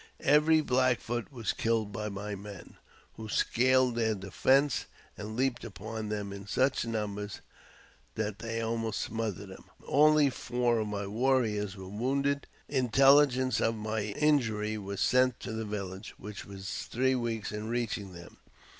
Every Black Foot was killed by my men, who scaled their defence and leaped upon them in such numbers that they Imost smothered them. Only four of my warriors were rounded. Intelligence of my injury was sent to the village, rhich was three weeks in reaching them.